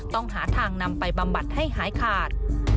ต้องหาทางนำไปบำบัดให้หายขาด